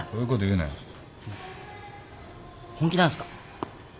本気なんすか？